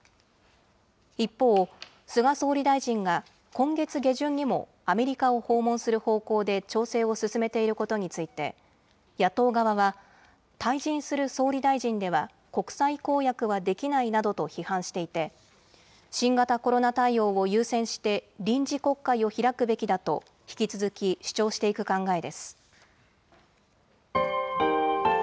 一方、菅総理大臣が今月下旬にもアメリカを訪問する方向で調整を進めていることについて、野党側は、退陣する総理大臣では国際公約はできないなどと批判していて、新型コロナ対応を優先して、臨時国会を開くべきだと引き続き主張していく考えです。